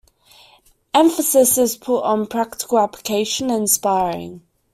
Emphasis is put on practical application and sparring.